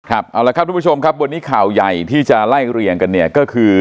ทุกผู้ชมครับวันนี้ข่าวยัยที่จะไล่เรียงกันก็คือ